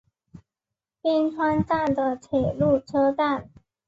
边川站的铁路车站。